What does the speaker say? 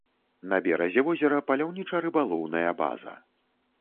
На беразе возера паляўніча-рыбалоўная база.